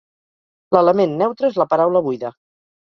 L'element neutre és la paraula buida.